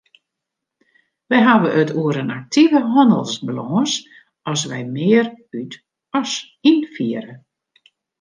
Wy hawwe it oer in aktive hannelsbalâns as wy mear út- as ynfiere.